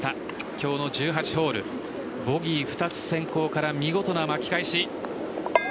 今日の１８ホールボギー２つ先行から見事な巻き返し。